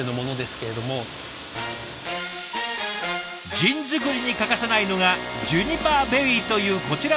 ジン作りに欠かせないのがジュニパーベリーというこちらの実。